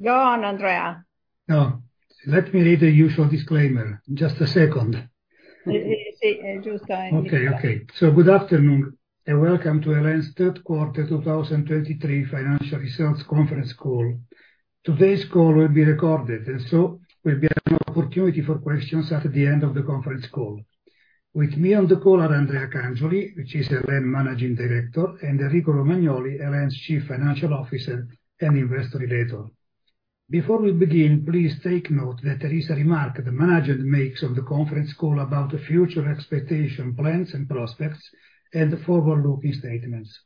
Go on, Andrea. No, let me read the usual disclaimer. Just a second. Okay, okay. Good afternoon, and welcome to El.En.'s third quarter, 2023 financial results conference call. Today's call will be recorded, and there will be an opportunity for questions at the end of the conference call. With me on the call are Andrea Cangioli, El.En.'s Managing Director, and Enrico Romagnoli, El.En.'s Chief Financial Officer and Investor Relations Manager. Before we begin, please take note that there is a remark the management makes on the conference call about the future expectation, plans and prospects, and the forward-looking statements.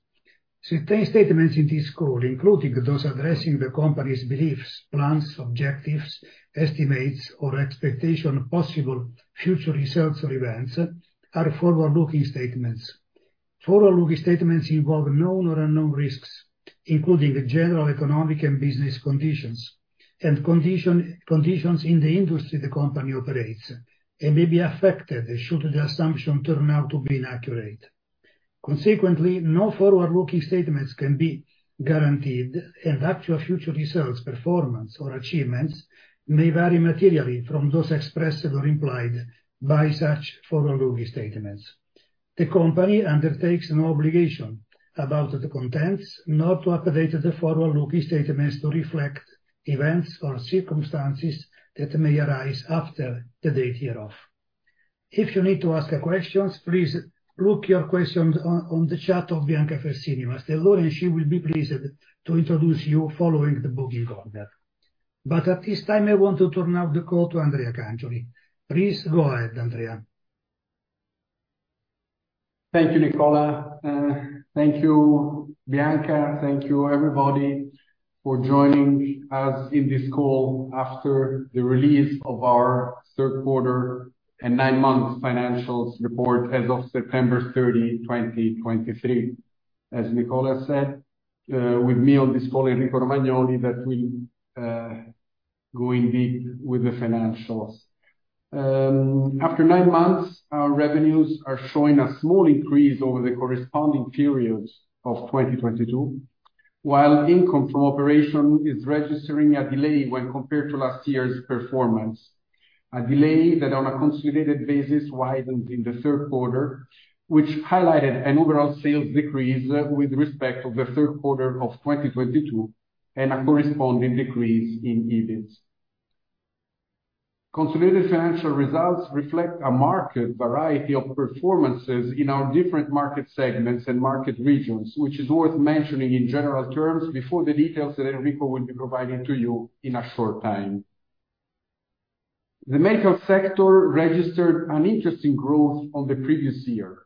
Certain statements in this call, including those addressing the company's beliefs, plans, objectives, estimates, or expectation of possible future results or events, are forward-looking statements. Forward-looking statements involve known or unknown risks, including the general economic and business conditions, and condition, conditions in the industry the company operates, and may be affected should the assumption turn out to be inaccurate. Consequently, no forward-looking statements can be guaranteed, and actual future results, performance, or achievements may vary materially from those expressed or implied by such forward-looking statements. The company undertakes no obligation about the contents, nor to update the forward-looking statements to reflect events or circumstances that may arise after the date hereof. If you need to ask a question, please write your questions on the chat of Bianca Fersini Mastelloni, and she will be pleased to introduce you following the booking order. But at this time, I want to turn now the call to Andrea Cangioli. Please go ahead, Andrea. Thank you, Nicola, thank you, Bianca. Thank you, everybody, for joining us in this call after the release of our third quarter and nine-month financials report as of September 30, 2023. As Nicola said, with me on this call, Enrico Romagnoli, that will go in deep with the financials. After nine months, our revenues are showing a small increase over the corresponding periods of 2022, while income from operation is registering a delay when compared to last year's performance. A delay that on a consolidated basis widened in the third quarter, which highlighted an overall sales decrease with respect to the third quarter of 2022, and a corresponding decrease in EBIT. Consolidated financial results reflect a market variety of performances in our different market segments and market regions, which is worth mentioning in general terms before the details that Enrico will be providing to you in a short time. The medical sector registered an interesting growth on the previous year,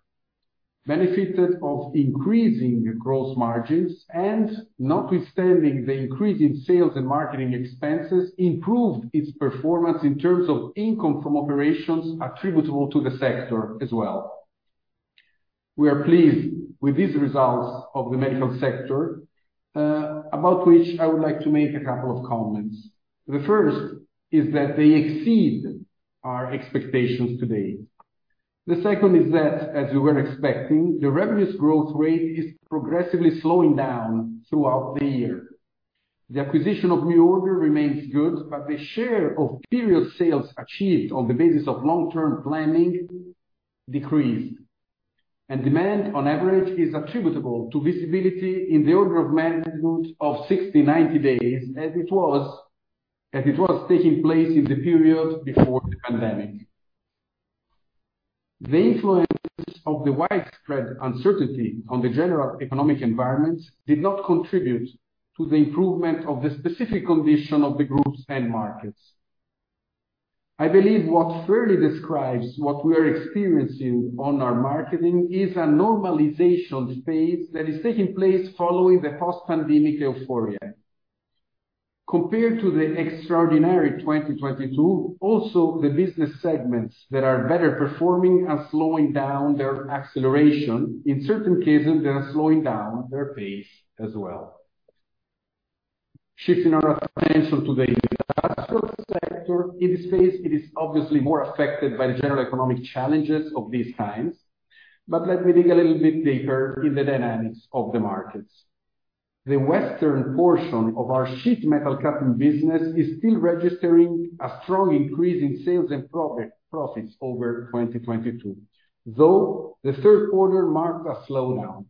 benefited of increasing gross margins, and notwithstanding the increase in sales and marketing expenses, improved its performance in terms of income from operations attributable to the sector as well. We are pleased with these results of the medical sector, about which I would like to make a couple of comments. The first is that they exceed our expectations to date. The second is that, as we were expecting, the revenues growth rate is progressively slowing down throughout the year. The acquisition of new order remains good, but the share of period sales achieved on the basis of long-term planning decreased, and demand, on average, is attributable to visibility in the order of magnitude of 60-90 days, as it was taking place in the period before the pandemic. The influences of the widespread uncertainty on the general economic environment did not contribute to the improvement of the specific condition of the group's end markets. I believe what fairly describes what we are experiencing on our marketing is a normalization phase that is taking place following the post-pandemic euphoria. Compared to the extraordinary 2022, also the business segments that are better performing are slowing down their acceleration. In certain cases, they are slowing down their pace as well. Shifting our attention to the industrial sector, in this phase, it is obviously more affected by the general economic challenges of these times, but let me dig a little bit deeper in the dynamics of the markets. The western portion of our sheet metal cutting business is still registering a strong increase in sales and profit, profits over 2022, though the third quarter marked a slowdown.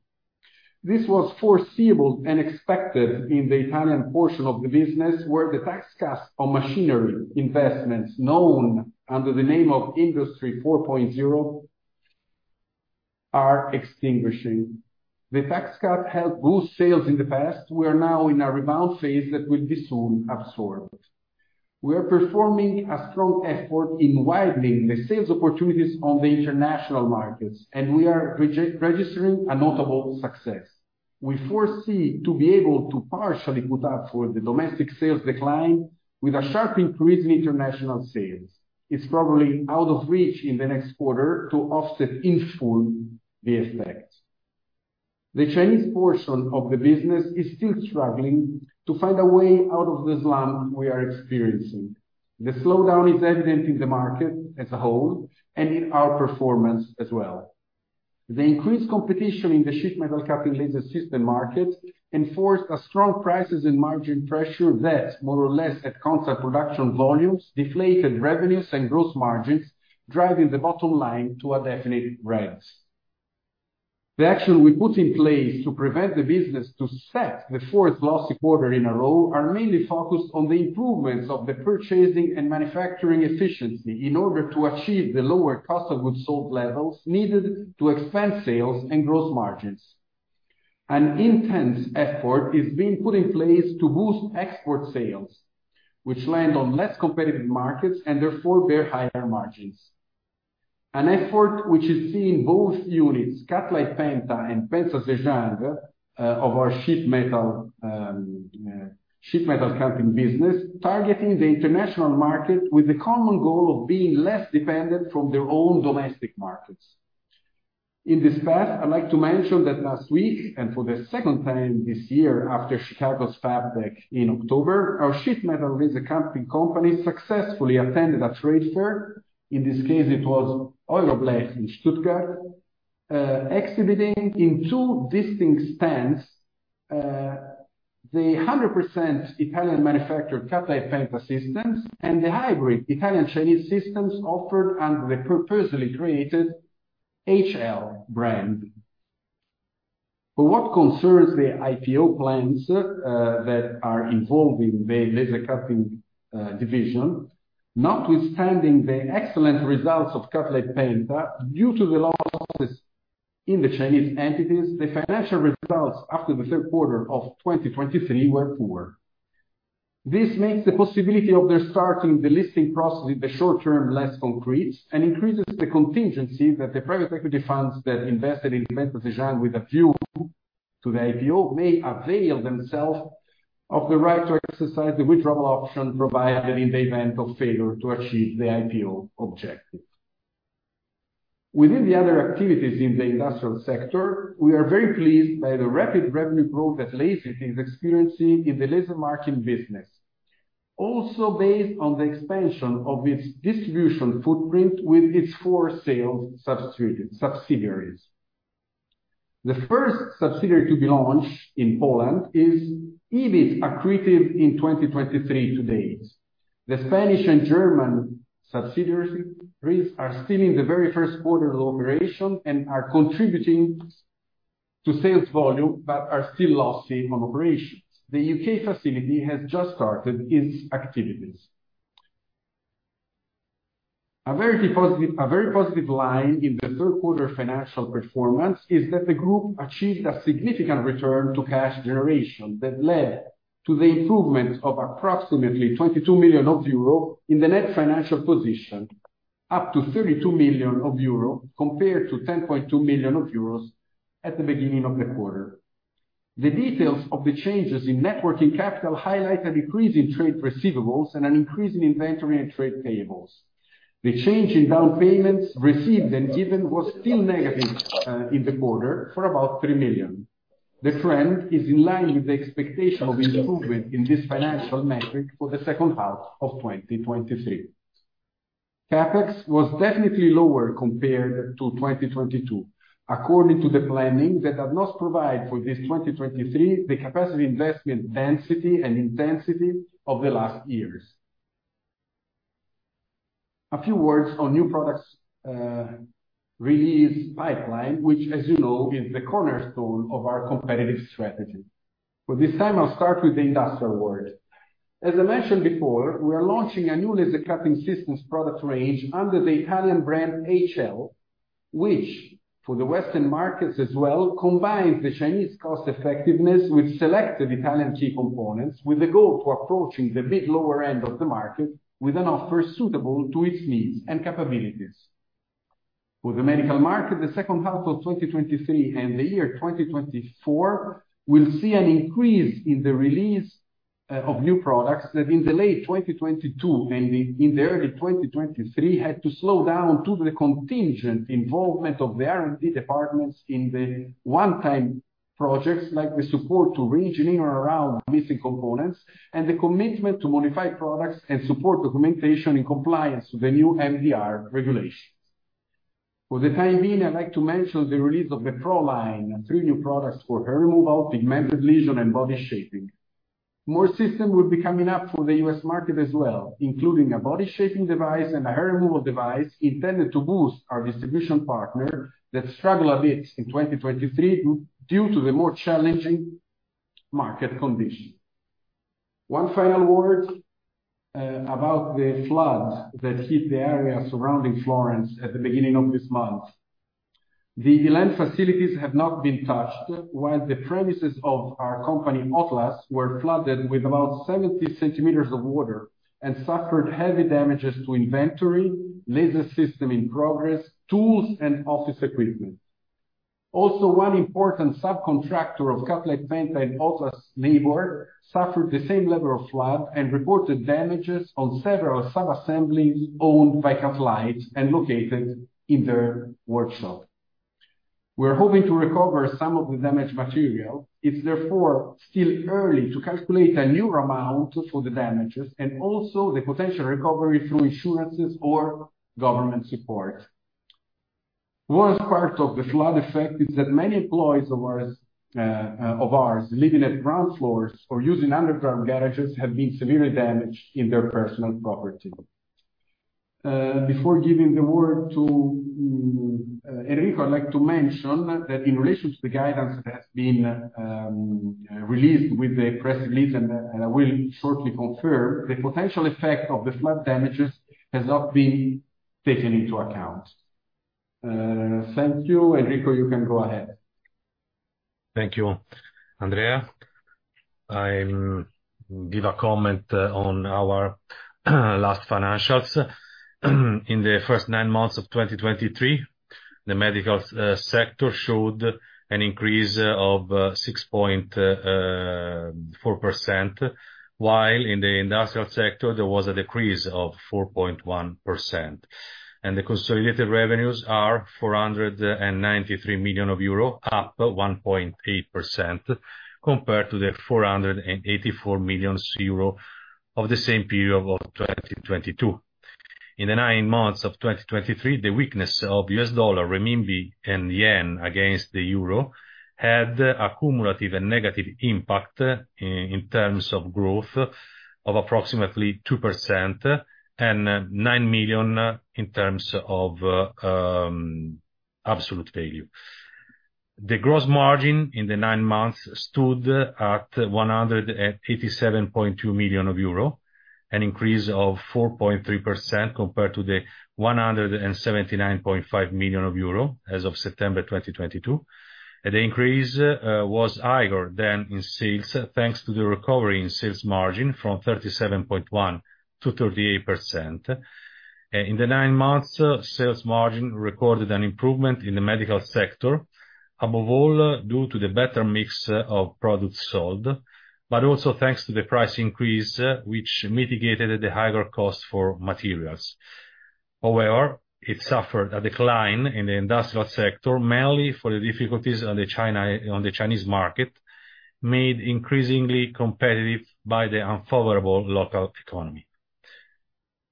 This was foreseeable and expected in the Italian portion of the business, where the tax cuts on machinery investments, known under the name of Industry 4.0, are extinguishing. The tax cut helped boost sales in the past. We are now in a rebound phase that will be soon absorbed. We are performing a strong effort in widening the sales opportunities on the international markets, and we are registering a notable success. We foresee to be able to partially make up for the domestic sales decline with a sharp increase in international sales. It's probably out of reach in the next quarter to offset in full the effect. The Chinese portion of the business is still struggling to find a way out of the slump we are experiencing. The slowdown is evident in the market as a whole and in our performance as well. The increased competition in the sheet metal cutting laser system market enforced a strong price and margin pressure that, more or less, at constant production volumes, deflated revenues and gross margins, driving the bottom line to a definite red. The action we put in place to prevent the business to set the fourth loss quarter in a row are mainly focused on the improvements of the purchasing and manufacturing efficiency, in order to achieve the lower cost of goods sold levels needed to expand sales and gross margins. An intense effort is being put in place to boost export sales, which land on less competitive markets and therefore bear higher margins. An effort which is seen in both units, Cutlite Penta and Penta Zhejiang, of our sheet metal cutting business, targeting the international market with the common goal of being less dependent from their own domestic markets. In this path, I'd like to mention that last week, and for the second time this year, after Chicago's Fabtech in October, our sheet metal laser cutting company successfully attended a trade fair. In this case, it was EuroBLECH in Stuttgart, exhibiting in two distinct stands, the 100% Italian manufactured Cutlite Penta systems and the hybrid Italian-Chinese systems offered under the purposely created HL brand. For what concerns the IPO plans, that are involving the laser cutting division, notwithstanding the excellent results of Cutlite Penta, due to the losses in the Chinese entities, the financial results after the third quarter of 2023 were poor. This makes the possibility of their starting the listing process in the short term less concrete, and increases the contingency that the private equity funds that invested in Penta Zhejiang with a view to the IPO may avail themselves of the right to exercise the withdrawal option provided in the event of failure to achieve the IPO objective. Within the other activities in the industrial sector, we are very pleased by the rapid revenue growth that Lasit is experiencing in the laser marking business, also based on the expansion of its distribution footprint with its four sales subsidiaries. The first subsidiary to be launched in Poland is already accretive in 2023 to date. The Spanish and German subsidiaries are still in the very first quarter of operation, and are contributing to sales volume, but are still lossy on operations. The U.K. facility has just started its activities. A very positive, a very positive line in the third quarter financial performance is that the group achieved a significant return to cash generation that led to the improvement of approximately 22 million euro in the net financial position, up to 32 million euro, compared to 10.2 million euros at the beginning of the quarter. The details of the changes in net working capital highlight a decrease in trade receivables and an increase in inventory and trade payables. The change in down payments received and given was still negative in the quarter, for about 3 million. The trend is in line with the expectation of improvement in this financial metric for the second half of 2023. CapEx was definitely lower compared to 2022, according to the planning that does not provide for this 2023, the capacity investment density and intensity of the last years. A few words on new products, release pipeline, which, as you know, is the cornerstone of our competitive strategy. For this time, I'll start with the industrial world. As I mentioned before, we are launching a new laser cutting systems product range under the Italian brand, HL, which for the Western markets as well, combines the Chinese cost effectiveness with selected Italian key components, with the goal to approaching the mid-lower end of the market with an offer suitable to its needs and capabilities. For the medical market, the second half of 2023 and the year 2024 will see an increase in the release of new products that in the late 2022 and in the early 2023 had to slow down due to the contingent involvement of the R&D departments in the one-time projects, like the support to re-engineering around missing components, and the commitment to modify products and support documentation in compliance with the new MDR regulations. For the time being, I'd like to mention the release of the PRO line, three new products for hair removal, pigmented lesion, and body shaping. More systems will be coming up for the U.S. market as well, including a body shaping device and a hair removal device intended to boost our distribution partner that struggled a bit in 2023 due to the more challenging market conditions. One final word about the flood that hit the area surrounding Florence at the beginning of this month. The El.En. facilities have not been touched, while the premises of our company, OT-LAS, were flooded with about 70 cm of water and suffered heavy damages to inventory, laser system in progress, tools and office equipment. Also, one important subcontractor of Cutlite Penta and OT-LAS neighbor, suffered the same level of flood and reported damages on several sub-assemblies owned by Cutlite and located in their workshop. We're hoping to recover some of the damaged material. It's therefore still early to calculate a new amount for the damages and also the potential recovery through insurances or government support. Worse part of the flood effect is that many employees of ours, of ours, living at ground floors or using underground garages have been severely damaged in their personal property. Before giving the word to Enrico, I'd like to mention that in relation to the guidance that has been released with the press release, and I will shortly confirm, the potential effect of the flood damages has not been taken into account. Thank you, Enrico. You can go ahead. Thank you, Andrea. I'm give a comment on our last financials. In the first nine months of 2023, the medical sector showed an increase of 6.4%, while in the industrial sector there was a decrease of 4.1%. The consolidated revenues are 493 million euro, up 1.8% compared to the 484 million euro of the same period of 2022. In the nine months of 2023, the weakness of U.S. dollar, RMB, and JPY against the EUR had a cumulative and negative impact in terms of growth of approximately 2%, and 9 million in terms of absolute value. The gross margin in the nine months stood at 187.2 million euro, an increase of 4.3% compared to the 179.5 million euro as of September 2022. The increase was higher than in sales, thanks to the recovery in sales margin from 37.1%-38%. In the nine months, sales margin recorded an improvement in the medical sector, above all, due to the better mix of products sold, but also thanks to the price increase, which mitigated the higher cost for materials. However, it suffered a decline in the industrial sector, mainly for the difficulties on the China, on the Chinese market, made increasingly competitive by the unfavorable local economy.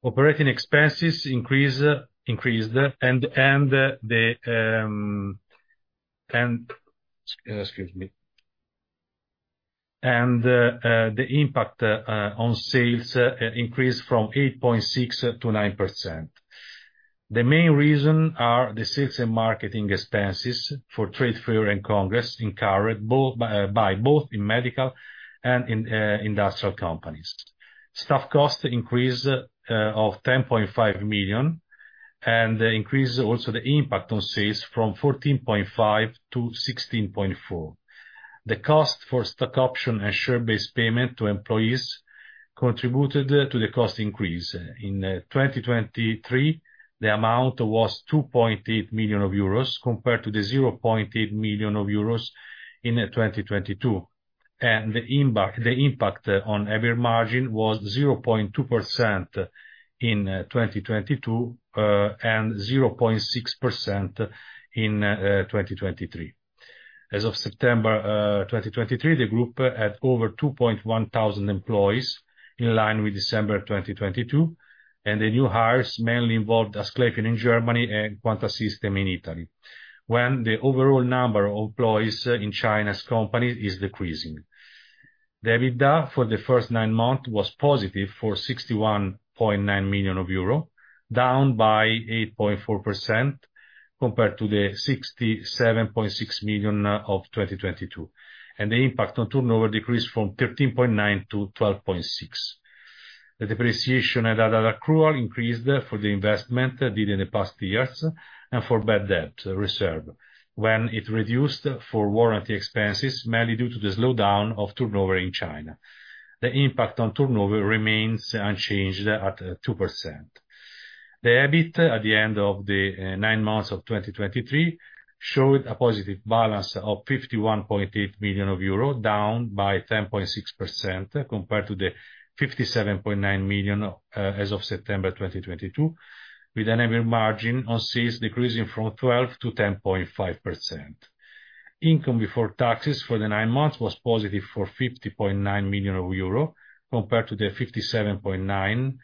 Operating expenses increased and. Excuse me. The impact on sales increased from 8.6% to 9%. The main reason are the sales and marketing expenses for trade fair and congress, encouraged both by both in medical and in industrial companies. Staff cost increase of 10.5 million, and increases also the impact on sales from 14.5 to 16.4. The cost for stock option and share-based payment to employees contributed to the cost increase. In 2023, the amount was 2.8 million euros, compared to 0.8 million euros in 2022, and the impact on average margin was 0.2% in 2022 and 0.6% in 2023. As of September 2023, the group had over 2,100 employees, in line with December 2022, and the new hires mainly involved Asclepion in Germany and Quanta System in Italy, when the overall number of employees in China's company is decreasing. The EBITDA for the first nine months was positive for 61.9 million euro, down by 8.4% compared to the 67.6 million of 2022, and the impact on turnover decreased from 13.9% to 12.6%. The depreciation and other accrual increased for the investment did in the past years, and for bad debt reserve, when it reduced for warranty expenses, mainly due to the slowdown of turnover in China. The impact on turnover remains unchanged at 2%. The EBIT, at the end of the nine months of 2023, showed a positive balance of 51.8 million euro, down by 10.6% compared to the 57.9 million as of September 2022, with an EBIT margin on sales decreasing from 12%-10.5%. Income before taxes for the nine months was positive for 50.9 million euro, compared to the 57.9 million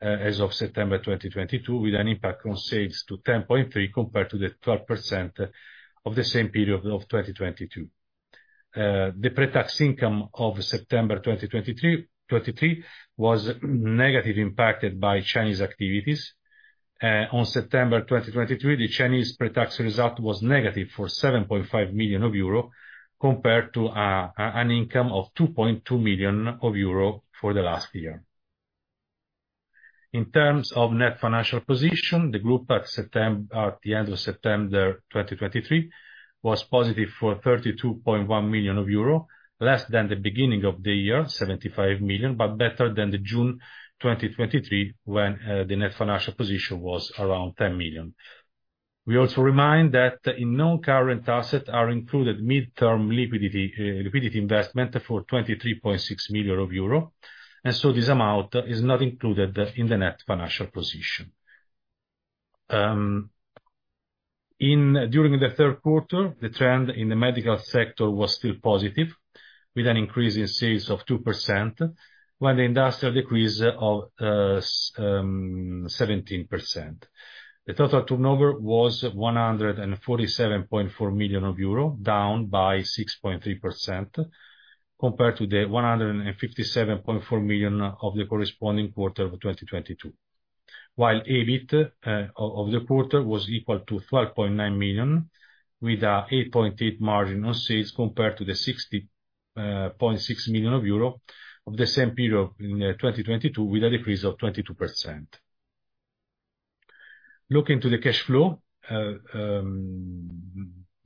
as of September 2022, with an impact on sales to 10.3%, compared to the 12% of the same period of 2022. The pre-tax income of September 2023 was negatively impacted by Chinese activities. On September 2023, the Chinese pre-tax result was negative 7.5 million euro, compared to an income of 2.2 million euro for the last year. In terms of net financial position, the group at the end of September 2023 was positive 32.1 million euro, less than the beginning of the year, 75 million, but better than the June 2023, when the net financial position was around 10 million. We also remind that in non-current assets are included midterm liquidity, liquidity investment for 23.6 million euro, and so this amount is not included in the net financial position. During the third quarter, the trend in the medical sector was still positive. with an increase in sales of 2%, while the industrial decrease of 17%. The total turnover was 147.4 million euro, down by 6.3% compared to the 157.4 million of the corresponding quarter of 2022. While EBIT of the quarter was equal to 12.9 million, with an 8.8% margin on sales, compared to the 60.6 million euro of the same period in 2022, with a decrease of 22%. Looking to the cash flow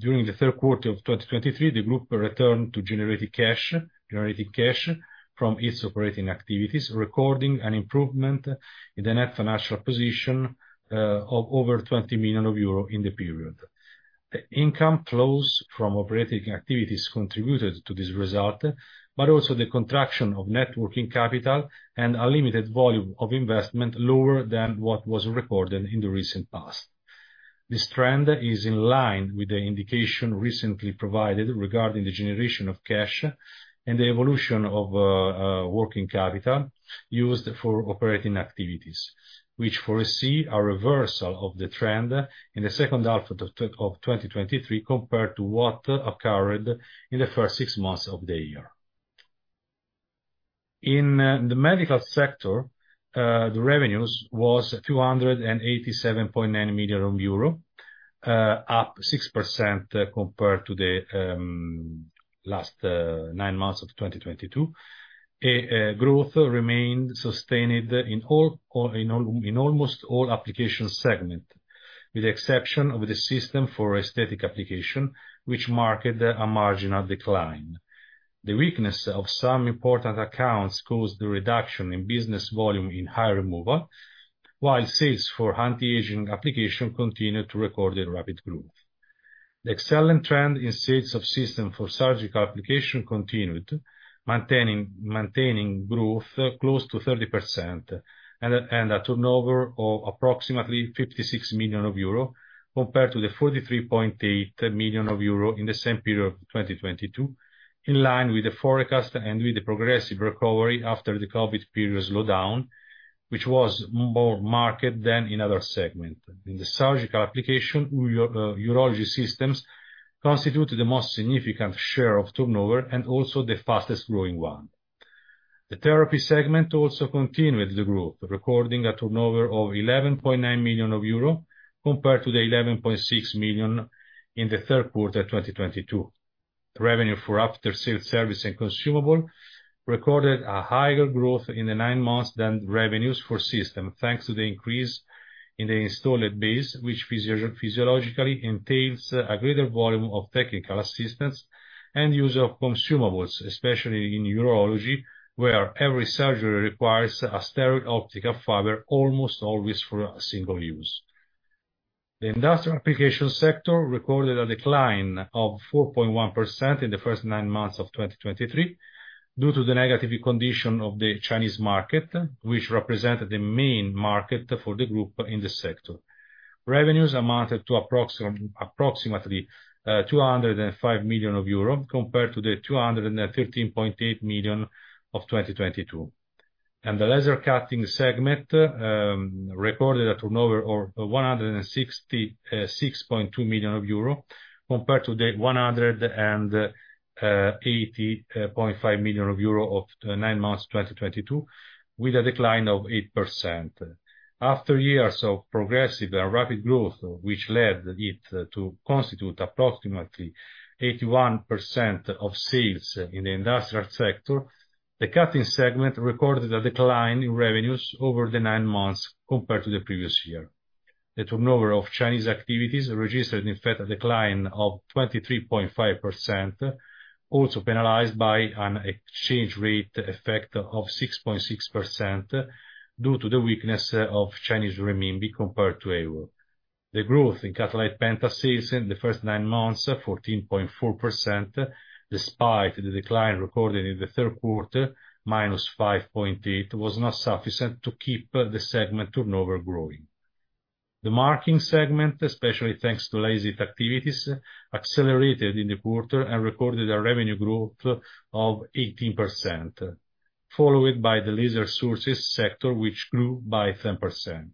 during the third quarter of 2023, the group returned to generating cash, generating cash from its operating activities, recording an improvement in the net financial position of over 20 million euro in the period. The income flows from operating activities contributed to this result, but also the contraction of net working capital and a limited volume of investment, lower than what was recorded in the recent past. This trend is in line with the indication recently provided regarding the generation of cash and the evolution of working capital used for operating activities, which foresee a reversal of the trend in the second half of 2023, compared to what occurred in the first six months of the year. In the medical sector, the revenues was 287.9 million euro, up 6% compared to the last nine months of 2022. A growth remained sustained in almost all application segment, with the exception of the system for aesthetic application, which marked a marginal decline. The weakness of some important accounts caused the reduction in business volume in hair removal, while sales for anti-aging application continued to record a rapid growth. The excellent trend in sales of system for surgical application continued, maintaining growth close to 30% and a turnover of approximately 56 million euro, compared to the 43.8 million euro in the same period of 2022, in line with the forecast and with the progressive recovery after the COVID period slowdown, which was more marked than in other segment. In the surgical application, urology systems constitute the most significant share of turnover, and also the fastest growing one. The therapy segment also continued the growth, recording a turnover of 11.9 million euro, compared to the 11.6 million in the third quarter 2022. Revenue for after-sales service and consumable recorded a higher growth in the nine months than revenues for system, thanks to the increase in the installed base, which physiologically entails a greater volume of technical assistance and use of consumables, especially in urology, where every surgery requires a sterile optical fiber, almost always for a single use. The industrial application sector recorded a decline of 4.1% in the first nine months of 2023, due to the negative condition of the Chinese market, which represented the main market for the group in this sector. Revenues amounted to approximately 205 million euro, compared to 213.8 million of 2022. The laser cutting segment recorded a turnover of 166.2 million euro, compared to 180.5 million euro of nine months 2022, with a decline of 8%. After years of progressive and rapid growth, which led it to constitute approximately 81% of sales in the industrial sector, the cutting segment recorded a decline in revenues over the nine months compared to the previous year. The turnover of Chinese activities registered, in fact, a decline of 23.5%, also penalized by an exchange rate effect of 6.6%, due to the weakness of Chinese renminbi compared to euro. The growth in Cutlite Penta sales in the first nine months, 14.4%, despite the decline recorded in the third quarter, -5.8%, was not sufficient to keep the segment turnover growing. The marking segment, especially thanks to Lasit activities, accelerated in the quarter and recorded a revenue growth of 18%, followed by the laser sources sector, which grew by 10%.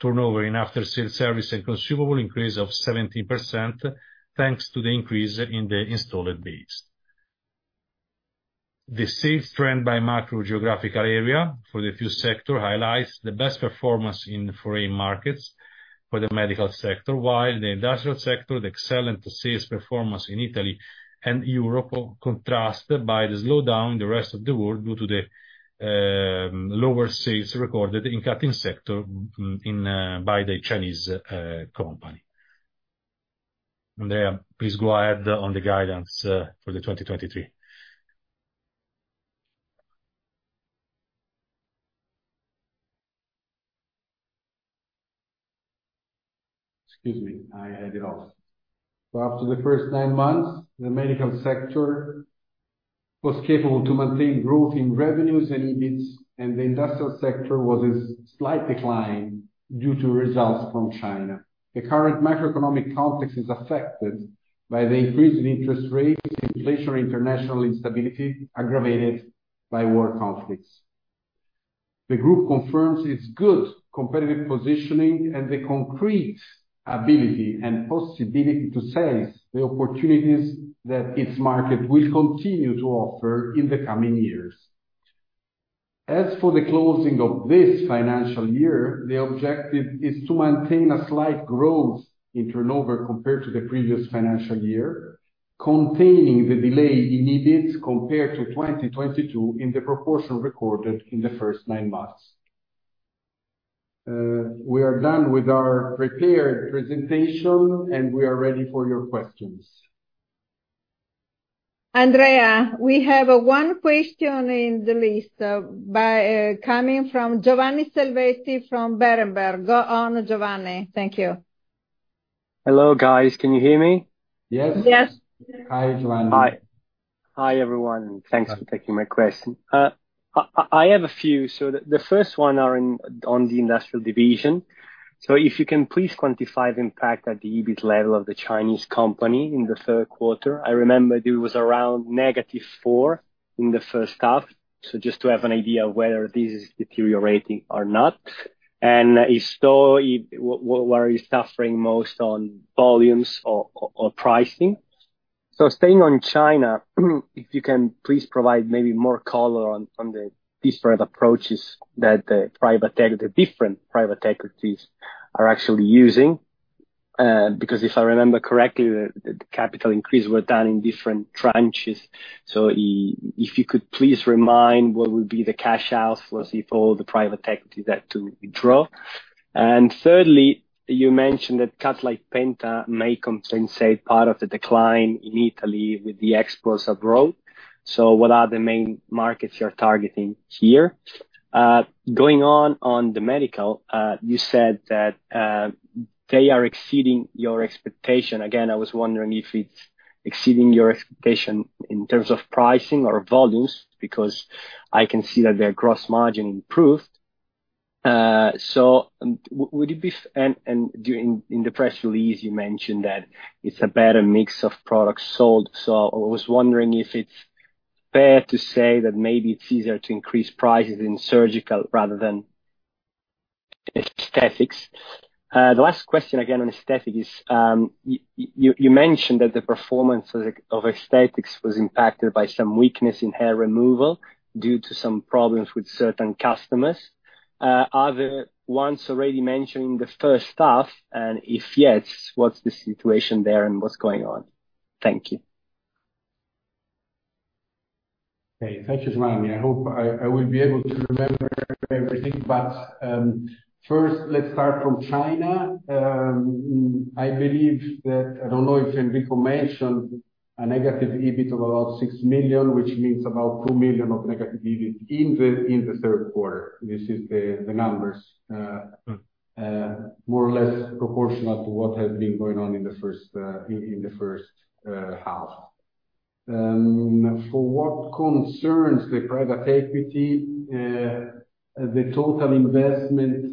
Turnover in after-sales service and consumable increased of 17%, thanks to the increase in the installed base. The sales trend by macro geographical area for the fuse sector highlights the best performance in foreign markets for the medical sector, while the industrial sector, the excellent sales performance in Italy and Europe, contrasted by the slowdown the rest of the world, due to the lower sales recorded in cutting sector in by the Chinese company. Please go ahead on the guidance for 2023. Excuse me, I had it off. So after the first nine months, the medical sector was capable to maintain growth in revenues and EBIT, and the industrial sector was a slight decline due to results from China. The current macroeconomic context is affected by the increase in interest rates, inflation, international instability, aggravated by war conflicts. The group confirms its good competitive positioning and the concrete ability and possibility to seize the opportunities that its market will continue to offer in the coming years. As for the closing of this financial year, the objective is to maintain a slight growth in turnover compared to the previous financial year, containing the delay in EBIT compared to 2022 in the proportion recorded in the first nine months. We are done with our prepared presentation, and we are ready for your questions. Andrea, we have one question in the list, by coming from Giovanni Selvetti from Berenberg. Go on, Giovanni. Thank you. Hello, guys. Can you hear me? Yes. Yes. Hi, Giovanni. Hi. Hi, everyone. Thanks for taking my question. I have a few. So the first one is on the industrial division. So if you can please quantify the impact at the EBIT level of the Chinese company in the third quarter. I remember it was around -4 in the first half, so just to have an idea of whether this is deteriorating or not. And if so, where are you suffering most, on volumes or pricing? So staying on China, if you can please provide maybe more color on the different approaches that the different private equities are actually using. Because if I remember correctly, the capital increase were done in different tranches. So if you could please remind what would be the cash outs if all the private equity decide to withdraw? And thirdly, you mentioned that Cutlite Penta may compensate part of the decline in Italy with the exports abroad. So what are the main markets you're targeting here? Going on, on the medical, you said that they are exceeding your expectation. Again, I was wondering if it's exceeding your expectation in terms of pricing or volumes, because I can see that their gross margin improved. And in the press release, you mentioned that it's a better mix of products sold, so I was wondering if it's fair to say that maybe it's easier to increase prices in surgical rather than aesthetics. The last question again on aesthetics is, you mentioned that the performance of the aesthetics was impacted by some weakness in hair removal due to some problems with certain customers. Are the ones already mentioned in the first half, and if yes, what's the situation there and what's going on? Thank you. Okay. Thank you, Giovanni. I hope I will be able to remember everything, but first, let's start from China. I believe that, I don't know if Enrico mentioned, a negative EBIT of about 6 million, which means about 2 million of negative EBIT in the third quarter. This is the numbers more or less proportional to what has been going on in the first half. For what concerns the private equity, the total investment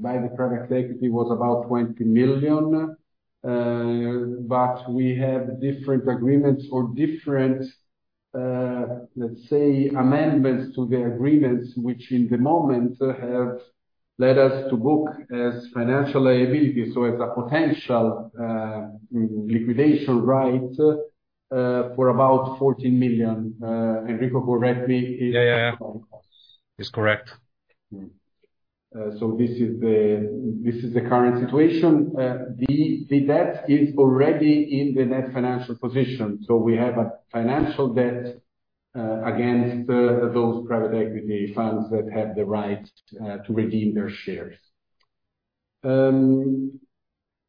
by the private equity was about 20 million, but we have different agreements or different, let's say, amendments to the agreements, which in the moment have led us to book as financial liability, so as a potential liquidation right for about 14 million. Enrico, correct me if- Yeah, yeah, yeah. It's correct. So this is the current situation. The debt is already in the net financial position, so we have a financial debt against those private equity funds that have the right to redeem their shares.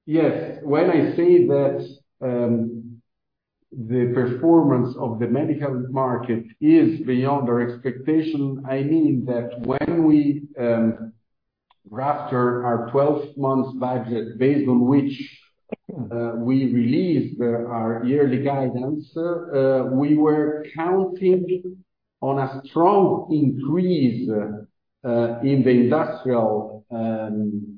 Yes, when I say that the performance of the medical market is beyond our expectation, I mean that when we draft our 12-month budget, based on which we released our yearly guidance, we were counting on a strong increase in the industrial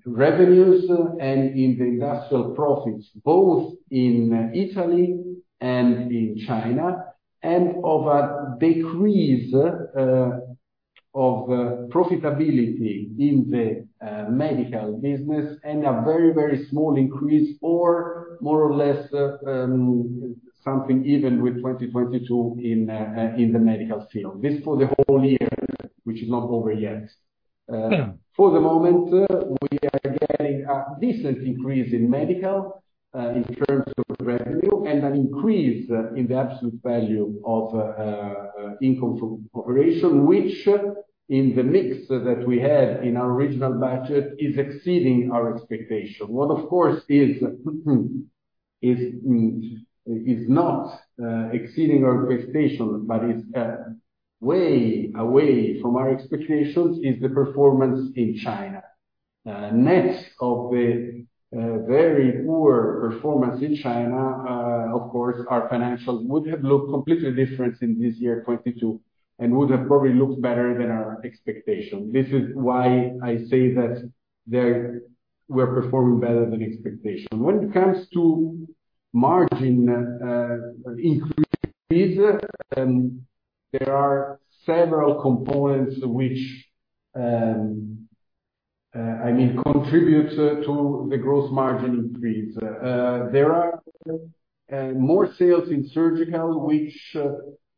revenues and in the industrial profits, both in Italy and in China, and of a decrease of profitability in the medical business, and a very, very small increase, or more or less, something even with 2022 in the medical field. This for the whole year, which is not over yet. Yeah. For the moment, we are getting a decent increase in medical, in terms of revenue, and an increase in the absolute value of income from operation, which in the mix that we had in our original budget, is exceeding our expectation. What, of course, is not exceeding our expectation, but is way away from our expectations, is the performance in China. Net of the very poor performance in China, of course, our financials would have looked completely different in this year 2022, and would have probably looked better than our expectation. This is why I say that they're—we're performing better than expectation. When it comes to margin increase, there are several components which, I mean, contributes to the gross margin increase. There are more sales in surgical, which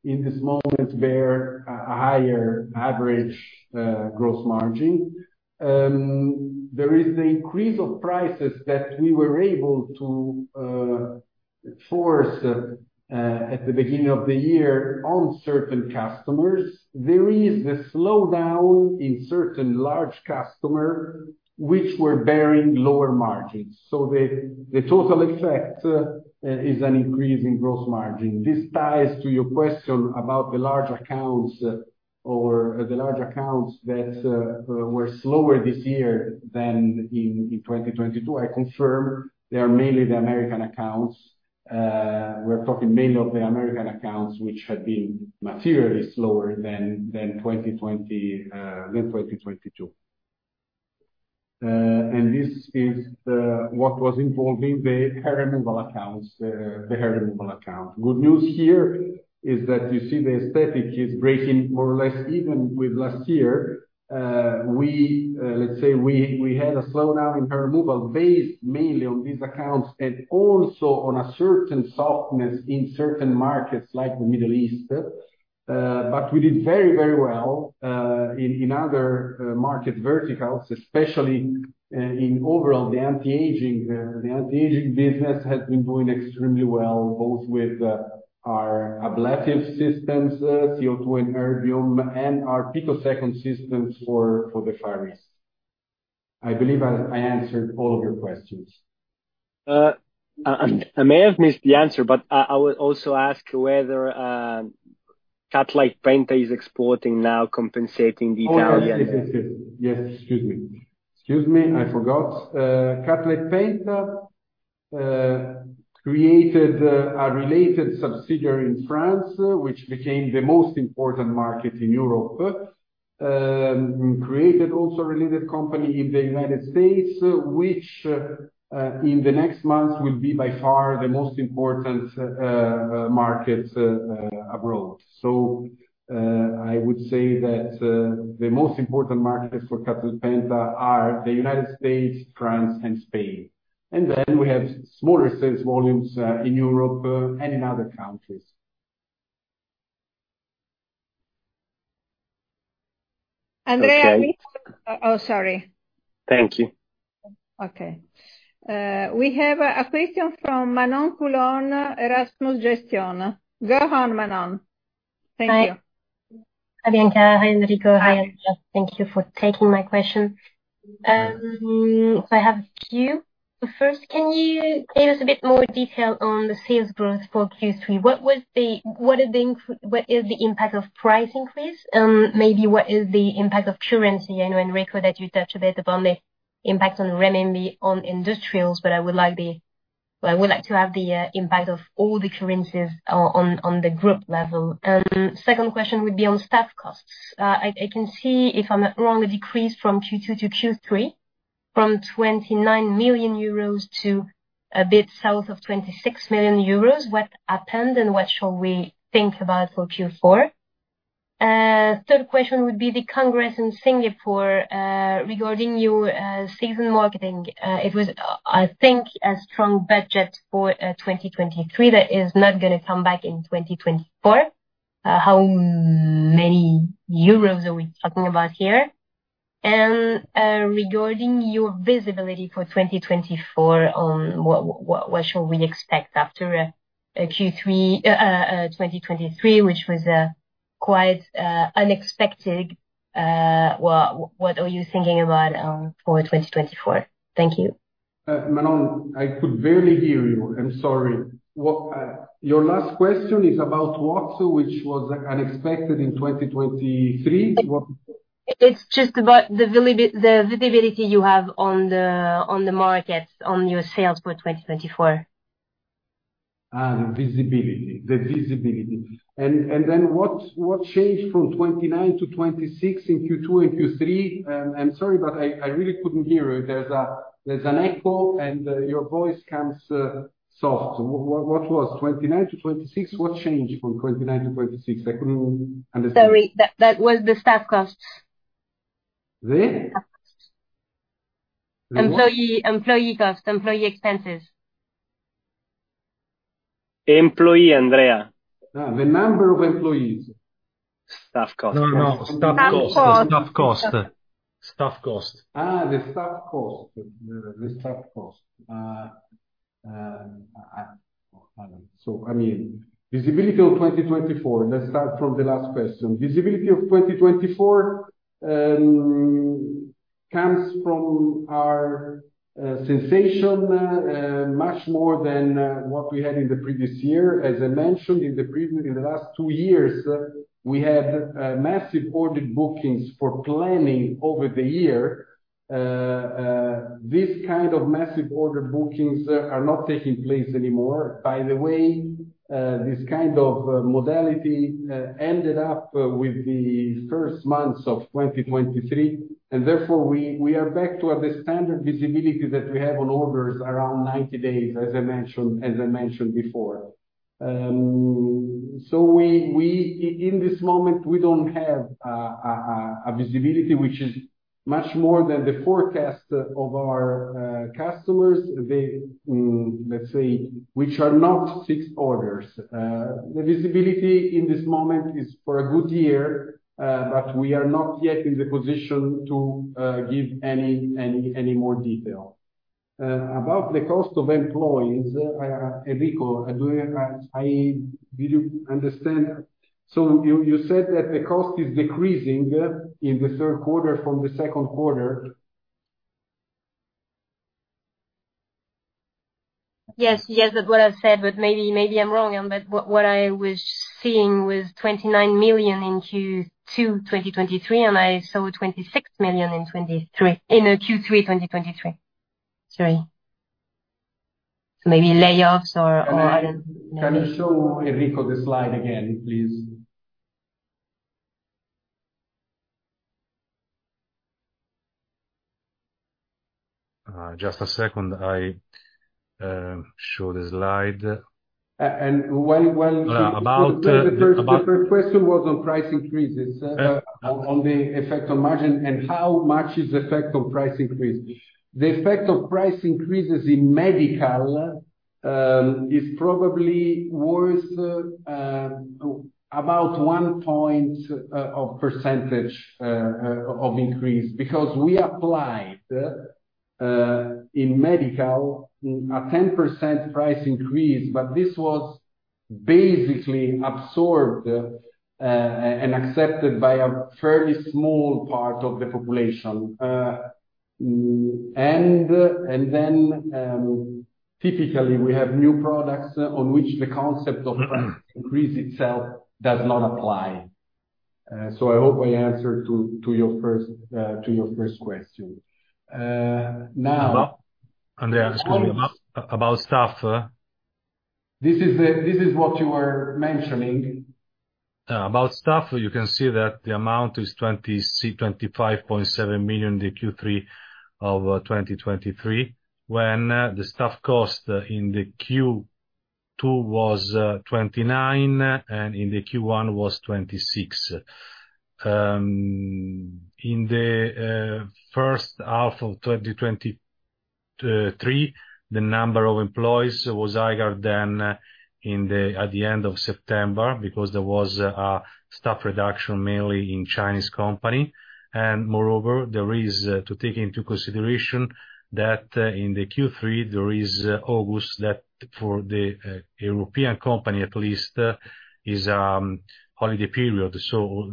in this moment bear a higher average gross margin. There is the increase of prices that we were able to force at the beginning of the year on certain customers. There is the slowdown in certain large customer, which were bearing lower margins, so the total effect is an increase in gross margin. This ties to your question about the large accounts or the large accounts that were slower this year than in 2022. I confirm they are mainly the American accounts. We're talking mainly of the American accounts, which had been materially slower than 2022. And this is what was involving the hair removal accounts, the hair removal account. Good news here is that you see the aesthetic is breaking more or less even with last year. Let's say, we had a slowdown in hair removal based mainly on these accounts, and also on a certain softness in certain markets like the Middle East. But we did very, very well in other market verticals, especially in overall the anti-aging. The anti-aging business has been doing extremely well, both with our ablative systems, CO2 and erbium, and our picosecond systems for the Far East. I believe I answered all of your questions. I may have missed the answer, but I will also ask whether Cutlite Penta is exporting now, compensating the Italian- Oh, yes, yes, yes. Yes, excuse me. Excuse me, I forgot. Cutlite Penta created a related subsidiary in France, which became the most important market in Europe. Created also a related company in the United States, which in the next months will be by far the most important market abroad. So, I would say that the most important markets for Cutlite Penta are the United States, France, and Spain. And then we have smaller sales volumes in Europe and in other countries. Andrea- Okay. Oh, sorry. Thank you. Okay. We have a question from Manon Coulon, Erasmus Gestion. Go on, Manon. Thank you. Hi. Hi, Bianca. Hi, Enrico. Hi. Thank you for taking my question. I have a few. First, can you give us a bit more detail on the sales growth for Q3? What is the impact of price increase, and maybe what is the impact of currency? I know, Enrico, that you touched a bit upon the impact on renminbi on industrials, but I would like to have the impact of all the currencies on the group level. And second question would be on staff costs. I can see, if I'm not wrong, a decrease from Q2 to Q3, from 29 million euros to a bit south of 26 million euros. What happened, and what shall we think about for Q4? Third question would be the Congress in Singapore, regarding your season marketing. It was, I think, a strong budget for 2023, that is not gonna come back in 2024. How many euros are we talking about here? And regarding your visibility for 2024, what shall we expect after Q3 2023, which was quite unexpected. What are you thinking about for 2024? Thank you. Manon, I could barely hear you. I'm sorry. What, your last question is about what, which was unexpected in 2023? What- It's just about the visibility you have on the, on the market, on your sales for 2024. Ah, the visibility. The visibility. And then what changed from 29 million to 26 million in Q2 and Q3? I'm sorry, but I really couldn't hear you. There's an echo, and your voice comes soft. What was 29 to 26? What changed from 29 million to 26 million? I couldn't understand. Sorry, that was the staff costs. The? Staff costs. The what? Employee, employee costs. Employee expenses. Employee, Andrea. Ah, the number of employees. Staff costs. No, no, no. Staff costs. Staff costs. Staff costs. Staff costs. The staff costs. The staff costs. So I mean, visibility of 2024, let's start from the last question. Visibility of 2024 comes from our sensation much more than what we had in the previous year. As I mentioned in the previous, in the last two years, we had massive order bookings for planning over the year. This kind of massive order bookings are not taking place anymore. By the way, this kind of modality ended up with the first months of 2023, and therefore we are back to the standard visibility that we have on orders around 90 days, as I mentioned before. So in this moment, we don't have a visibility which is much more than the forecast of our customers. They, let's say, which are not fixed orders. The visibility in this moment is for a good year, but we are not yet in the position to give any more detail. About the cost of employees, Enrico, I do. Did you understand? So you said that the cost is decreasing in the third quarter from the second quarter. Yes, yes, that's what I've said, but maybe, maybe I'm wrong, but what, what I was seeing was 29 million in Q2 2023, and I saw 26 million in 2023, in the Q3 2023. Sorry. So maybe layoffs or I don't know. Can you show Enrico the slide again, please? Just a second. I show the slide. and while About- The first question was on price increases on the effect on margin and how much is the effect of price increase. The effect of price increases in medical is probably worth about 1 point of percentage of increase, because we applied in medical a 10% price increase, but this was basically absorbed and accepted by a fairly small part of the population. And then, typically, we have new products on which the concept of increase itself does not apply. So I hope I answered to your first question. Now- Excuse me, about staff. This is what you were mentioning. About staff, you can see that the amount is 25.7 million in the Q3 of 2023, when the staff cost in the Q2 was 29 million, and in the Q1 was 26 million. In the first half of 2023, the number of employees was higher than at the end of September because there was a staff reduction, mainly in Chinese company. And moreover, there is to take into consideration that in the Q3, there is August, that for the European company at least is holiday period. So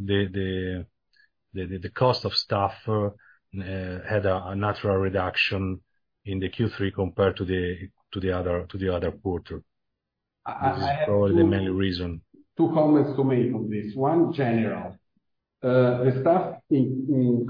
the cost of staff had a natural reduction in the Q3 compared to the other quarter. I have two- This is probably the main reason. Two comments to make on this. One, general. The staff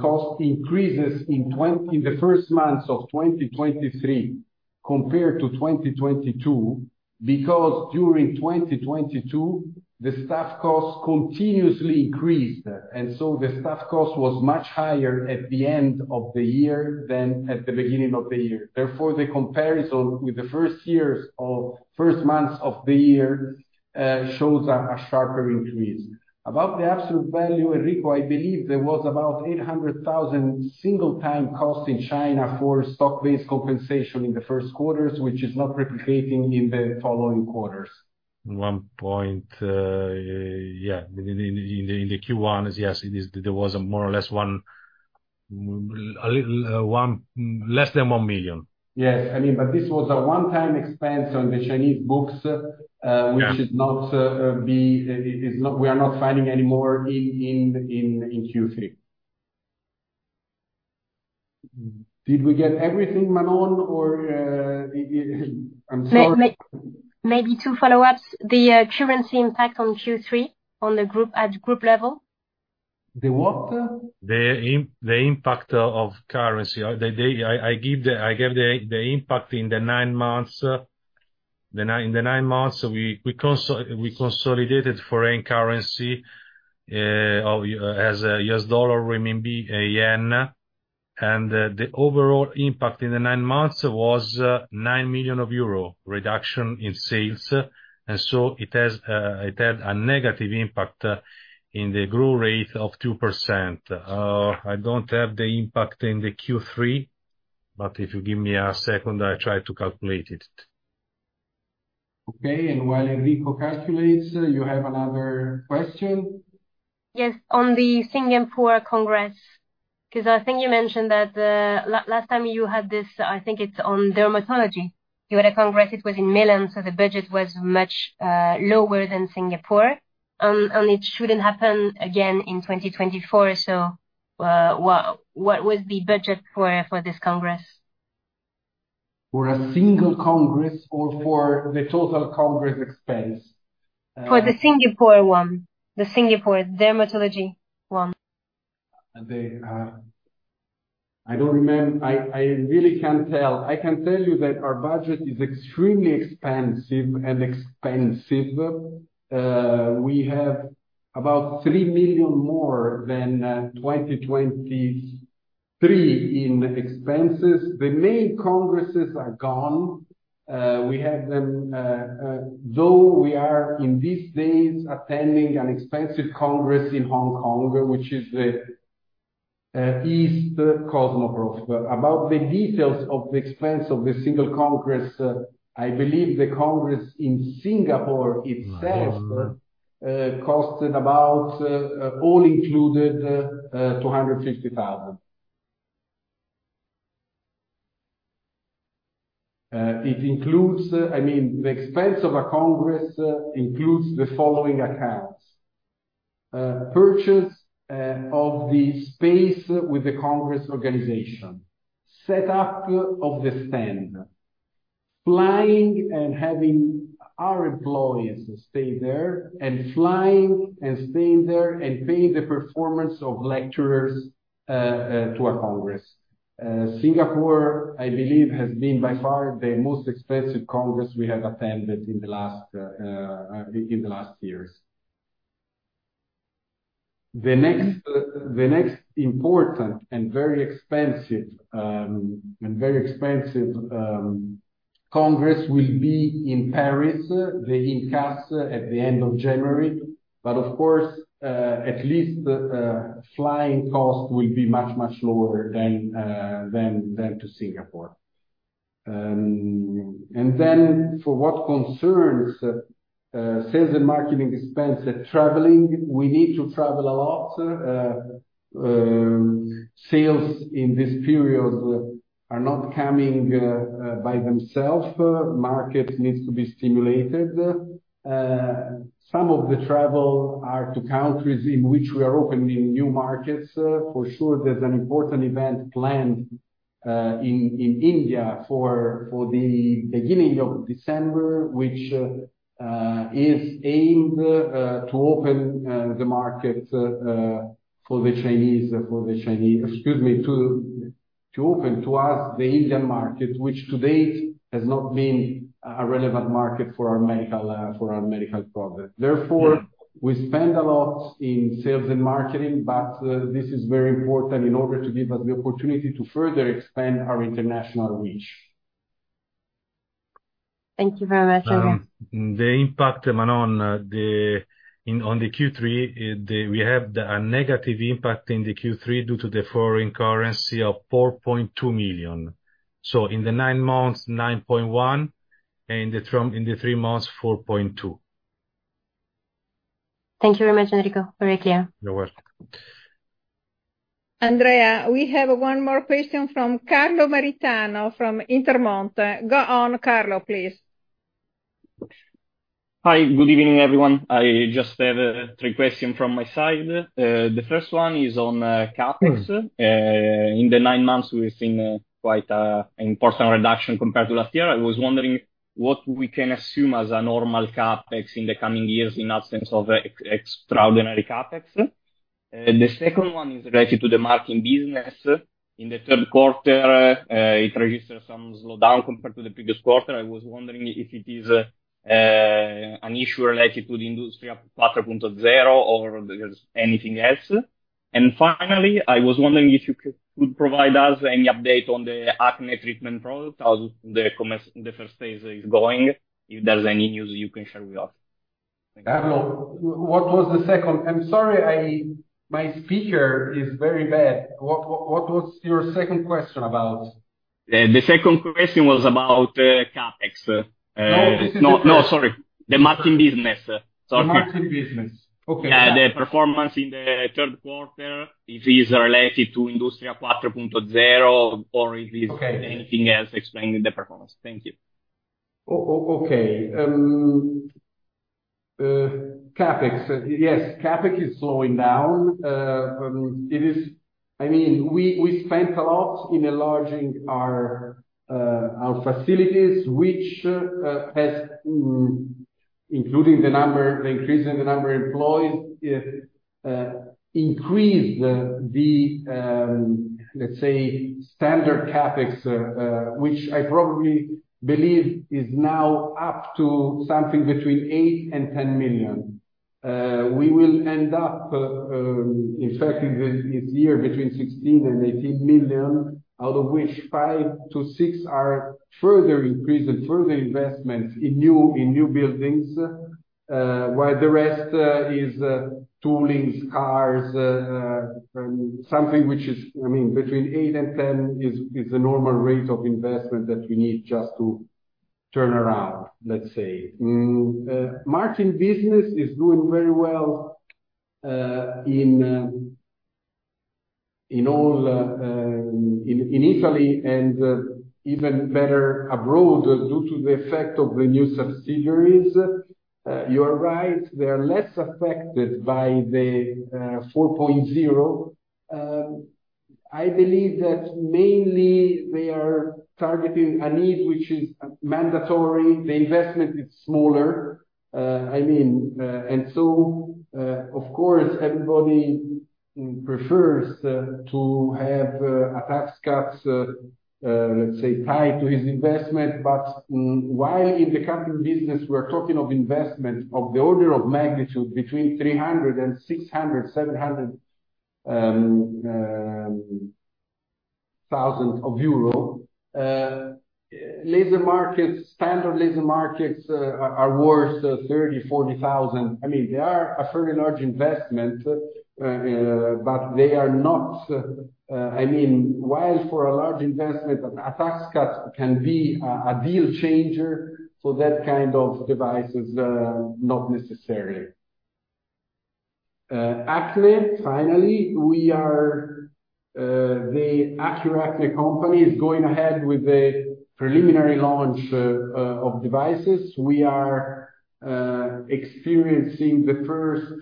cost increases in the first months of 2023 compared to 2022, because during 2022, the staff costs continuously increased, and so the staff cost was much higher at the end of the year than at the beginning of the year. Therefore, the comparison with the first months of the year shows a sharper increase. About the absolute value, Enrico, I believe there was about 800,000 one-time cost in China for stock-based compensation in the first quarter, which is not replicating in the following quarters. One point, yeah. In the Q1, yes, it is. There was a more or less 1 million, a little less than 1 million. Yes, I mean, but this was a one-time expense on the Chinese books. Yeah. We are not finding any more in Q3. Did we get everything, Manon, or I'm sorry? Maybe two follow-ups. The currency impact on Q3, on the group, at group level? The what? The impact of currency. The impact in the nine months. In the nine months, we consolidated foreign currency as a U.S. dollar, RMB, JPY, and the overall impact in the nine months was 9 million euro reduction in sales, and so it had a negative impact in the growth rate of 2%. I don't have the impact in the Q3, but if you give me a second, I try to calculate it. Okay, and while Enrico calculates, you have another question? Yes, on the Singapore Congress, 'cause I think you mentioned that, last time you had this, I think it's on dermatology. You had a congress, it was in Milan, so the budget was much lower than Singapore, and it shouldn't happen again in 2024. So, what was the budget for this congress? For a single congress or for the total congress expense? For the Singapore one. The Singapore dermatology one. I don't remember. I really can't tell. I can tell you that our budget is extremely expansive and expensive. We have about 3 million more than 2023 in expenses. The main congresses are gone. We had them. Though we are, in these days, attending an expensive congress in Hong Kong, which is the Asia Cosmoprof. About the details of the expense of the single congress, I believe the congress in Singapore itself costed about, all included, EUR 250,000. It includes, I mean, the expense of a congress includes the following accounts: purchase of the space with the congress organization, set up of the stand, flying and having our employees stay there, and flying and staying there, and paying the performance of lecturers to a congress. Singapore, I believe, has been by far the most expensive congress we have attended in the last years. The next important and very expensive congress will be in Paris, the IMCAS, at the end of January, but of course, at least the flying cost will be much, much lower than to Singapore. And then for what concerns sales and marketing expense, traveling, we need to travel a lot. Sales in this period are not coming by themselves. Market needs to be stimulated. Some of the travel are to countries in which we are opening new markets. For sure, there's an important event planned in India for the beginning of December, which is aimed to open to us the Indian market, which to date has not been a relevant market for our medical products. Therefore, we spend a lot in sales and marketing, but this is very important in order to give us the opportunity to further expand our international reach. Thank you very much, Andrea. The impact, Manon, on the Q3, we have a negative impact in the Q3 due to the foreign currency of 4.2 million. So in the nine months, 9.1 million, and in the three months, 4.2 million. Thank you very much, Enrico. Very clear. You're welcome. Andrea, we have one more question from Carlo Maritano, from Intermonte. Go on, Carlo, please. Hi. Good evening, everyone. I just have three questions from my side. The first one is on CapEx. In the nine months, we've seen quite an important reduction compared to last year. I was wondering what we can assume as a normal CapEx in the coming years, in absence of extraordinary CapEx. The second one is related to the marketing business. In the third quarter, it registered some slowdown compared to the previous quarter. I was wondering if it is an issue related to the Industria 4.0, or there's anything else? And finally, I was wondering if you could provide us any update on the acne treatment product, how the first phase is going, if there's any news you can share with us? Carlo, what was the second? I'm sorry, I, My speaker is very bad. What, what was your second question about? The second question was about CapEx. No, this is the first- No, no, sorry. The marketing business. Sorry. The marketing business. Okay. The performance in the third quarter, if it is related to Industria 4.0, or if it's- Okay anything else explaining the performance. Thank you. Okay. CapEx. Yes, CapEx is slowing down. It is, I mean, we, we spent a lot in enlarging our, our facilities, which has, including the number, the increase in the number of employees, increased the, let's say, standard CapEx, which I probably believe is now up to something between 8 million and 10 million. We will end up, in fact, in this, this year, between 16 million and 18 million, out of which 5 million-6 million are further increase and further investments in new, in new buildings, while the rest, is, toolings, cars, something which is, I mean, between 8 million and 10 million is, the normal rate of investment that we need just to turn around, let's say. Marketing business is doing very well in all in Italy, and even better abroad, due to the effect of the new subsidiaries. You are right, they are less affected by the 4.0. I believe that mainly they are targeting a need which is mandatory. The investment is smaller, I mean, and so of course, everybody prefers to have a tax cuts, let's say, tied to his investment. But while in the capital business, we're talking of investment of the order of magnitude between 300,000 and 600,000-700,000 euro. Laser markets, standard laser markets are worth 30,000-40,000. I mean, they are a fairly large investment, but they are not, I mean, while for a large investment, a tax cut can be a deal changer, for that kind of device is not necessary. Accure, finally, we are, the Accure company is going ahead with the preliminary launch of devices. We are experiencing the first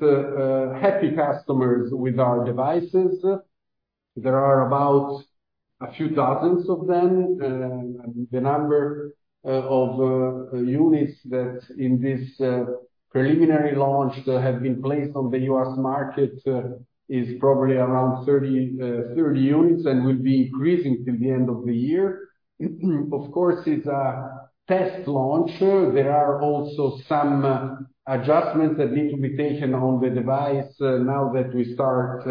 happy customers with our devices. There are about a few dozens of them. The number of units that in this preliminary launch that have been placed on the U.S. market is probably around 30, 30 units, and will be increasing till the end of the year. Of course, it's a test launch. There are also some adjustments that need to be taken on the device, now that we start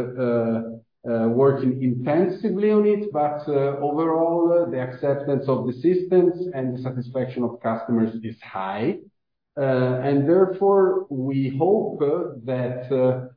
working intensively on it. But overall, the acceptance of the systems and the satisfaction of customers is high. And therefore, we hope that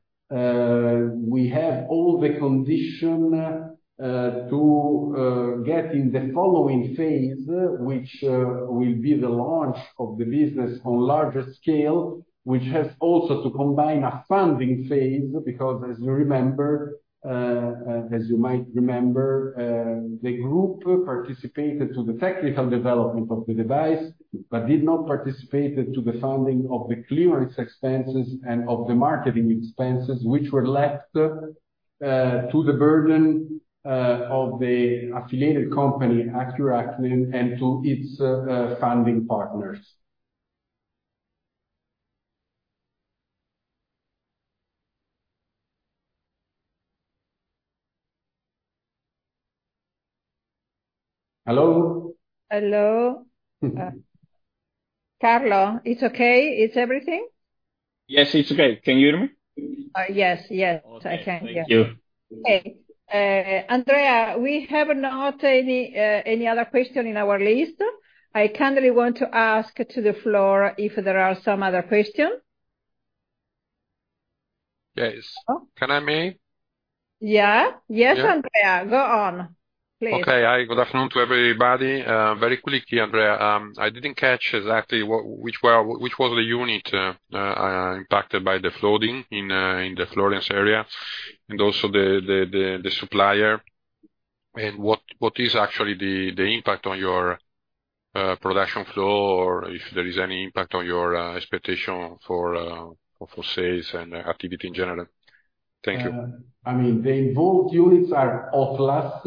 we have all the condition to get in the following phase, which will be the launch of the business on larger scale, which has also to combine a funding phase. Because as you remember, as you might remember, the group participated to the technical development of the device, but did not participate to the funding of the clearance expenses and of the marketing expenses, which were left to the burden of the affiliated company, Accure Acne, and to its funding partners. Hello? Hello. Carlo, it's okay? It's everything? Yes, it's okay. Can you hear me? Yes, yes, I can hear. Okay. Thank you. Okay. Andrea, we have not any other question in our list. I kindly want to ask to the floor if there are some other question. Yes. Oh? Can I me? Yeah. Yes, Andrea. Yeah. Go on, please. Okay. Hi, good afternoon to everybody. Very quickly, Andrea, I didn't catch exactly what, which were, which was the unit impacted by the flooding in the Florence area, and also the supplier, and what is actually the impact on your production flow, or if there is any impact on your expectation for sales and activity in general? Thank you. I mean, the involved units are OT-LAS.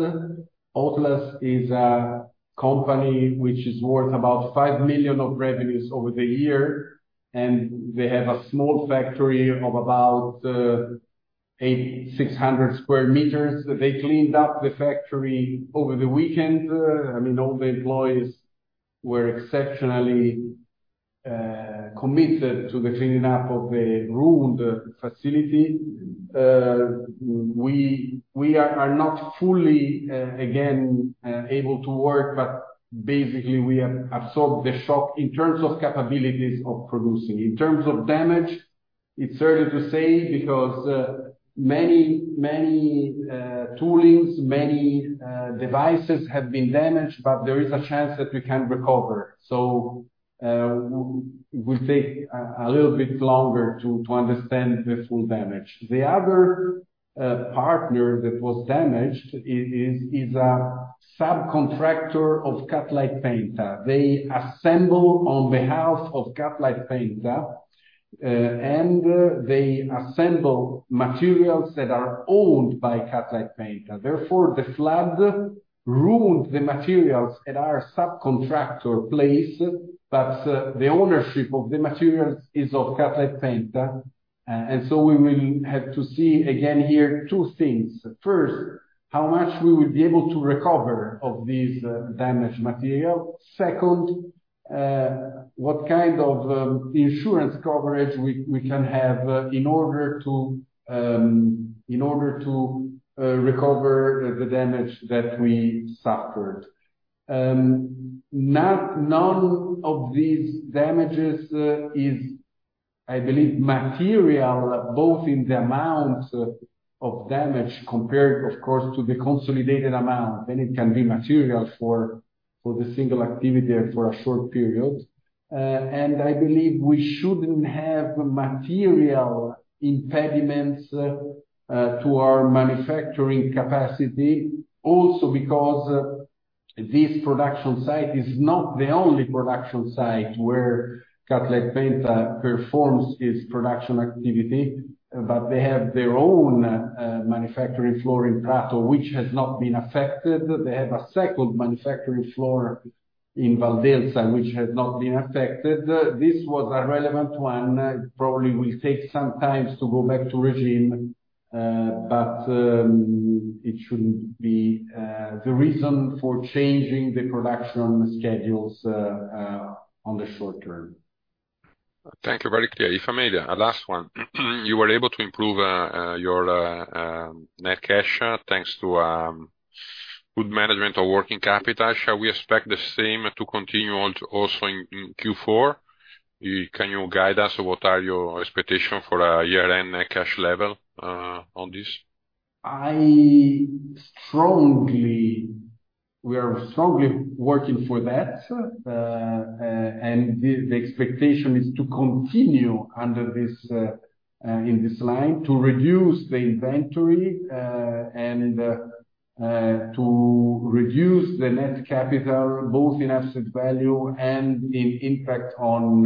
OT-LAS is a company which is worth about 5 million of revenues over the year, and they have a small factory of about 8,600 square meters. They cleaned up the factory over the weekend. I mean, all the employees were exceptionally committed to the cleaning up of the ruined facility. We are not fully able to work again, but basically, we have absorbed the shock in terms of capabilities of producing. In terms of damage, it's early to say because many toolings, many devices have been damaged, but there is a chance that we can recover. So, it will take a little bit longer to understand the full damage. The other partner that was damaged is a subcontractor of Cutlite Penta. They assemble on behalf of Cutlite Penta, and they assemble materials that are owned by Cutlite Penta. Therefore, the flood ruined the materials at our subcontractor place, but the ownership of the materials is of Cutlite Penta. And so we will have to see again here two things. First, how much we will be able to recover of these damaged material. Second, what kind of insurance coverage we can have in order to recover the damage that we suffered. None of these damages is, I believe, material, both in the amount of damage compared, of course, to the consolidated amount, then it can be material for the single activity for a short period. And I believe we shouldn't have material impediments to our manufacturing capacity, also because... This production site is not the only production site where Cutlite Penta performs its production activity, but they have their own manufacturing floor in Prato, which has not been affected. They have a second manufacturing floor in Valdelsa, which has not been affected. This was a relevant one. It probably will take some time to go back to regime, but it shouldn't be the reason for changing the production schedules on the short term. Thank you. Very clear. If I may, a last one. You were able to improve your net cash thanks to good management of working capital. Shall we expect the same to continue on to also in Q4? Can you guide us what are your expectation for year-end net cash level on this? We are strongly working for that. The expectation is to continue under this, in this line, to reduce the inventory, and to reduce the net capital, both in asset value and in impact on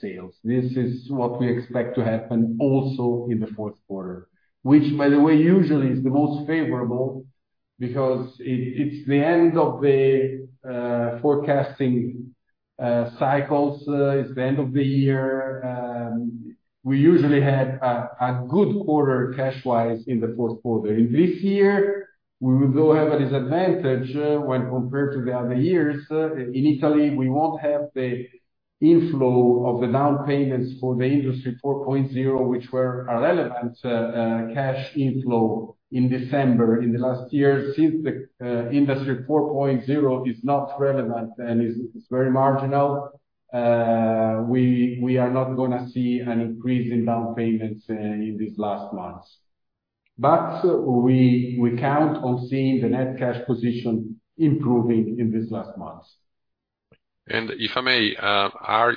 sales. This is what we expect to happen also in the fourth quarter, which, by the way, usually is the most favorable because it's the end of the forecasting cycles. It's the end of the year. We usually have a good quarter cash-wise in the fourth quarter. In this year, we will go have a disadvantage, when compared to the other years. In Italy, we won't have the inflow of the down payments for the Industry 4.0, which were a relevant cash inflow in December. In the last year, since the Industry 4.0 is not relevant and is very marginal, we are not gonna see an increase in down payments in these last months. But we count on seeing the net cash position improving in these last months. And if I may,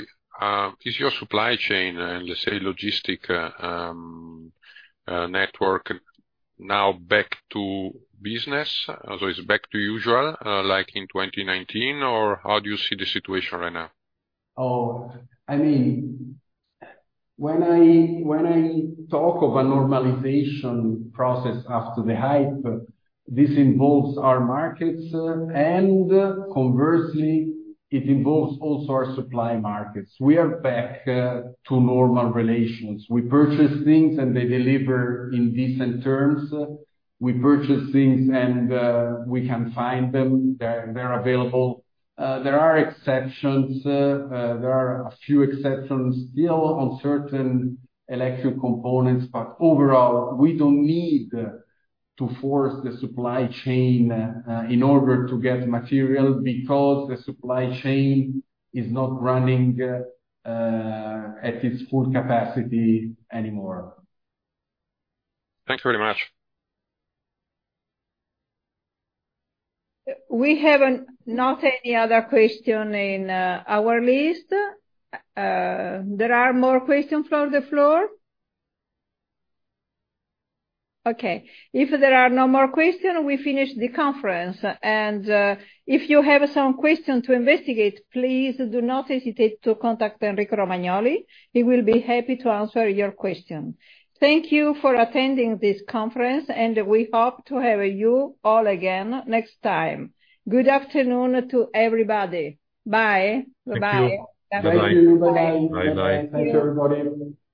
is your supply chain and, let's say, logistics network now back to business? So it's back to usual, like in 2019, or how do you see the situation right now? Oh, I mean, when I talk of a normalization process after the hype, this involves our markets, and conversely, it involves also our supply markets. We are back to normal relations. We purchase things, and they deliver in decent terms. We purchase things, and we can find them. They're available. There are exceptions, there are a few exceptions still on certain electric components, but overall, we don't need to force the supply chain in order to get material, because the supply chain is not running at its full capacity anymore. Thanks very much. We have not any other question in our list. There are more questions from the floor? Okay, if there are no more questions, we finish the conference. If you have some questions to investigate, please do not hesitate to contact Enrico Romagnoli. He will be happy to answer your question. Thank you for attending this conference, and we hope to have you all again next time. Good afternoon to everybody. Bye. Bye-bye. Thank you. Bye-bye. Thank you. Bye-bye. Bye-bye. Thanks, everybody. Bye.